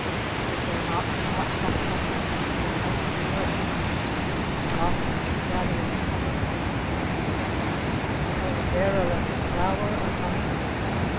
Is there not, perhaps, some kind of bee that loves to work among these plumy blossoms gathering a concentrated form of nectar, pulverulent flower of honey?